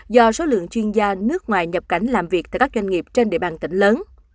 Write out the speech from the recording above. do số lượng chuyên gia nước ngoài nhập cảnh làm việc tại các doanh nghiệp trên địa bàn tỉnh lớn